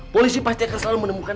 polisi pasti akan selalu menemukan